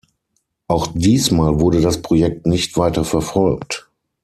Auch diesmal wurde das Projekt nicht weiter verfolgt.